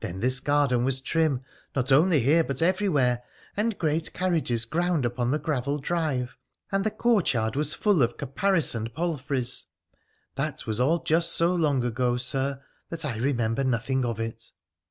Then this garden was trim — not only here but everywhere — and great carriages ground upon the gravel drive, and the courtyard was full of caparisoned palfreys. That was all just so long ago, Sir, that I remember nothing of it.'